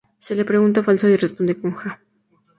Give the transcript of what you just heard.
Se le pregunta a Falso y responde con ja.